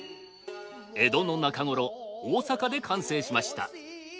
江戸の中頃大阪で完成しました。